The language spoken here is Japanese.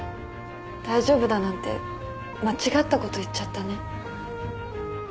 大丈夫だなんて間違ったこと言っちゃったね。